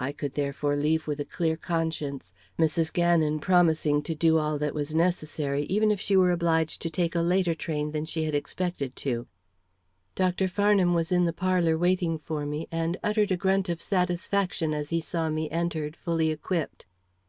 I could therefore leave with a clear conscience; Mrs. Gannon promising to do all that was necessary, even if she were obliged to take a later train than she had expected to. Dr. Farnham was in the parlor waiting for me, and uttered a grunt of satisfaction as he saw me enter, fully equipped.